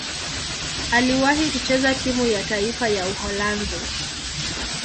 Aliwahi kucheza timu ya taifa ya Uholanzi.